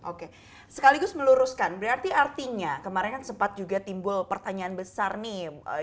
oke sekaligus meluruskan berarti artinya kemarin kan sempat juga timbul pertanyaan besar nih